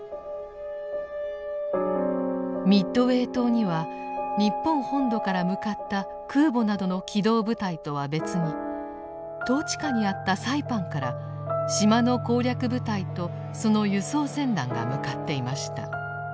ミッドウェー島には日本本土から向かった空母などの機動部隊とは別に統治下にあったサイパンから島の攻略部隊とその輸送船団が向かっていました。